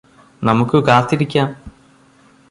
നമുക്കു കാത്തിരിക്കാം